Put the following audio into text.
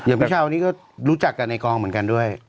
พี่เช้านี้ก็รู้จักกันในกองเหมือนกันด้วย